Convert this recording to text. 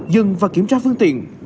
dừng và kiểm tra phương tiện